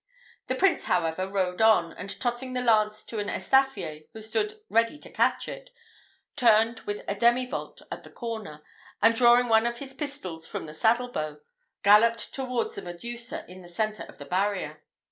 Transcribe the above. The Prince, however, rode on; and tossing the lance to an estaffier who stood ready to catch it, turned with a demi volte at the corner, and drawing one of his pistols from the saddle bow, galloped towards the Medusa in the centre of the barrier.